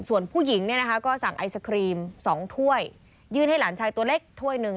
ส่วนผู้หญิงเนี่ยนะคะก็สั่งไอศครีม๒ถ้วยยื่นให้หลานชายตัวเล็กถ้วยหนึ่ง